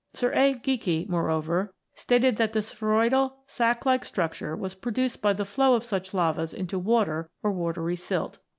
Sir A. Geikie(65), moreover, stated that the spheroidal sack like structure was produced by the flow of such lavas into water or watery silt.